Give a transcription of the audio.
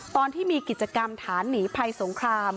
ตอนที่มีกิจกรรมฐานหนีภัยสงคราม